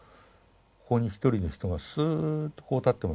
ここに一人の人がスーッとこう立ってますね。